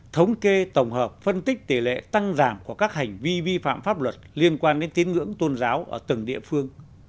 thống kê tổng hợp phân tích tỷ lệ tăng giảm của các hành vi vi phạm pháp luật liên quan đến tiếng ngưỡng tôn giáo ở từng địa phương